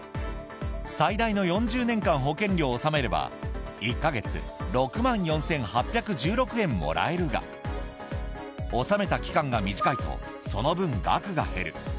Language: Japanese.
最大の４０年間保険料を納めれば１か月６万４８１６円もらえるが納めた期間が短いとその分、額が減る。